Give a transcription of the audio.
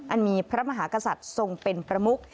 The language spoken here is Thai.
อันมีพระมหากษัตริย์ทรงเป็นประมุก